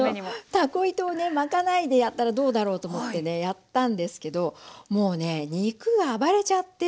たこ糸をね巻かないでやったらどうだろうと思ってねやったんですけどもうね肉が暴れちゃって。